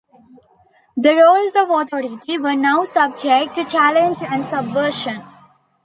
The roles of authority were now subject to challenge and subversion.